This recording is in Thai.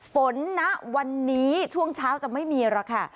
ฝนณวันนี้ช่วงเช้าจะไม่มีหรอกค่ะ